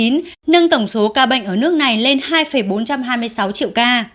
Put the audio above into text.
nâng tổng số ca bệnh ở nước này lên hai bốn trăm hai mươi sáu triệu ca